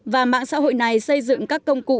và mạng xã hội này xây dựng các công cụ